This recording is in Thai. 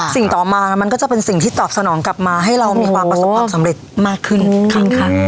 สิ่งต่อมามันก็จะเป็นสิ่งที่ตอบสนองกลับมาให้เรามีความประสบความสำเร็จมากขึ้นค่ะ